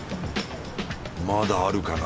まだあるかな？